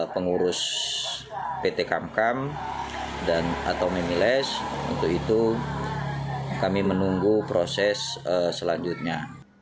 pengurus pt kamkam atau mimiles untuk itu kami menunggu proses selanjutnya